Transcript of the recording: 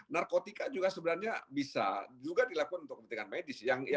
narkotika juga sebenarnya bisa juga dilakukan untuk kepentingan medis